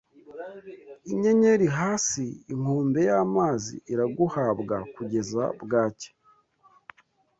Inyenyeri hasi Inkombe y'amazi Iraguhabwa kugeza bwacya